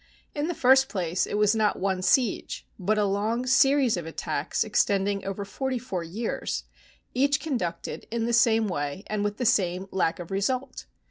In the first place, it was not one siege, but a long series of attacks extending over forty four years, each conducted in the same way and with the same lack of result.